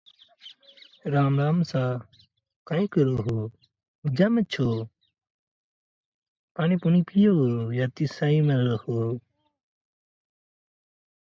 In some languages, such as English, aspiration is allophonic.